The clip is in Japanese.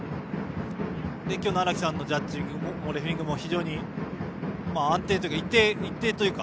今日の荒木さんのジャッジング、レフェリングも非常に安定というか一定というか。